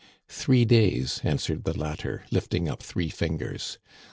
" Three days," answered the latter, lifting up three fingers.